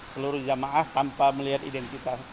seluruh jama ah tanpa melihat identitas